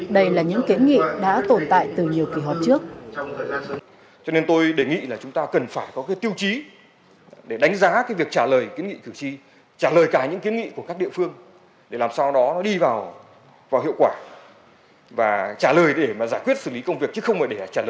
đây là những kiến nghị đã tồn tại từ nhiều kỳ họp trước